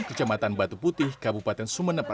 kecamatan batu putih kabupaten sumeneb